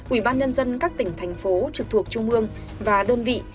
ubnd các tỉnh thành phố trực thuộc trung ương và đơn vị